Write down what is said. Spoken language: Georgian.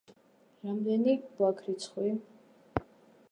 რამდენი გვაქ რიცხვი?